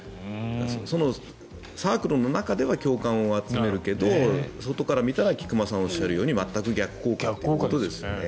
そのサークルの中では共感を集めるけど、外から見たら菊間さんがおっしゃるように全く逆効果ということですよね。